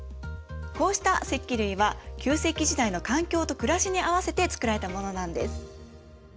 こうした石器類は旧石器時代の環境と暮らしに合わせて作られたものなんです。